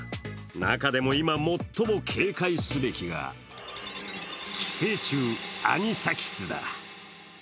中でも今最も警戒すべきが寄生虫アニサキスだ。